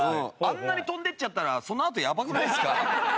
あんなに飛んでいっちゃったらそのあとやばくないですか？